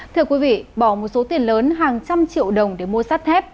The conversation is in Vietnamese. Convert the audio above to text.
thưa quý vị bỏ một số tiền lớn hàng trăm triệu đồng để mua sắt thép